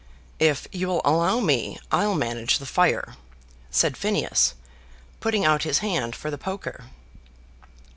"If you'll allow me, I'll manage the fire," said Phineas, putting out his hand for the poker.